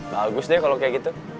bagus deh kalau kayak gitu